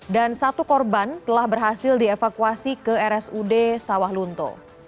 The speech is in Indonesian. dan satu korban telah berhasil dievakuasi ke rsud sawalunto